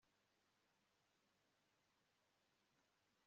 Byongeye kandi tekereza ko nyuma yamakosa yanjye